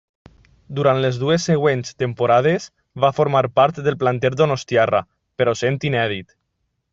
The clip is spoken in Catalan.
Durant les dues següents temporades va formar part del planter donostiarra, però sent inèdit.